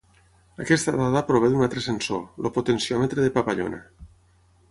Aquesta dada prové d'un altre sensor, el potenciòmetre de papallona.